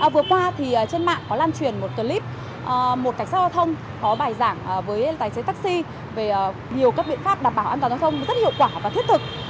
vừa qua thì trên mạng có lan truyền một clip một cảnh sát giao thông có bài giảng với tài xế taxi về nhiều các biện pháp đảm bảo an toàn giao thông rất hiệu quả và thiết thực